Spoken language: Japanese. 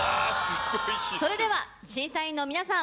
それでは審査員の皆さん